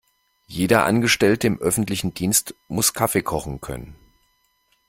Jeder Angestellte im öffentlichen Dienst muss Kaffee kochen können.